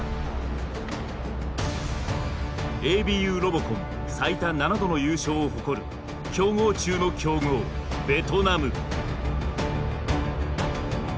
ＡＢＵロボコン最多７度の優勝を誇る強豪中の強豪ベトナム。